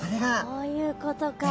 そういうことか。